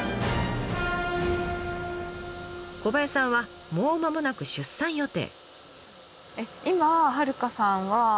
小林さんはもうまもなく出産予定。